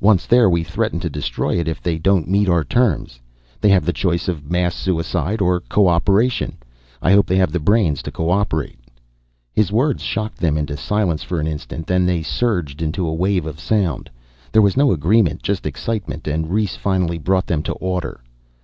Once there we threaten to destroy it if they don't meet our terms. They have the choice of mass suicide or co operation. I hope they have the brains to co operate." His words shocked them into silence for an instant, then they surged into a wave of sound. There was no agreement, just excitement, and Rhes finally brought them to order.